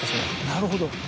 なるほど。